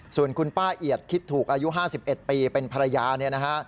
ส่วนคุณป้าเอียดคิดถูกอายุ๕๑ปีเป็นภรรยาเนี่ยนะฮะ